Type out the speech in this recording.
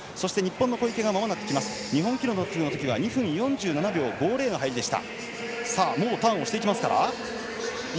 小池、日本記録のときは２分４７秒５０の入りでした。